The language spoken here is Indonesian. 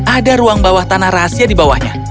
ada ruang bawah tanah rahasia di bawahnya